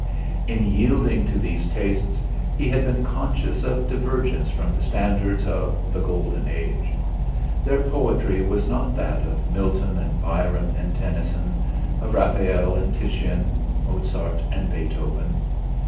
In yielding to these tastes he had been conscious of divergence from the standard of the Golden Age. Their poetry was not that of Milton and Byron and Tennyson; of Raphael and Titian; Mozart and Beethoven.